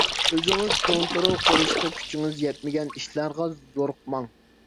ئۆزىڭىز كونترول قىلىشقا كۈچىڭىز يەتمىگەن ئىشلارغا زورۇقماڭ.